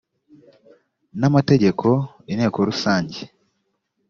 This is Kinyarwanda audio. n amategeko inteko rusange